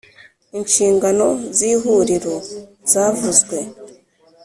inshingano z Ihuriro zavuzwe